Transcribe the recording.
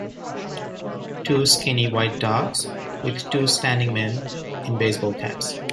Two skinny white dogs with two standing men in baseball caps